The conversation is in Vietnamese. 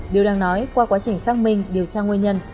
điều đang nói qua quá trình xác minh điều tra nguyên nhân